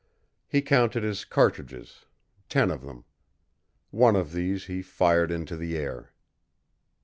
He counted his cartridges ten of them. One of these he fired into the air.